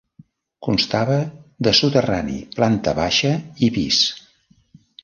Constava de soterrani, planta baixa i pis.